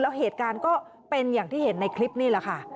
แล้วเหตุการณ์ก็เป็นอย่างที่เห็นในคลิปนี่แหละค่ะ